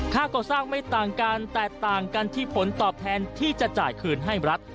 ค่าก่อสร้างไม่ต่างกันแตกต่างกันที่ผลตอบแทนที่จะจ่ายคืนให้รัฐ